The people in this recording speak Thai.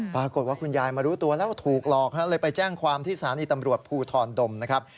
ปรากฏว่าคุณยายมารู้ตัวแล้วถูกหลอกเลยไปแจ้งความที่สถานีตำรวจภูทรดมนะครับ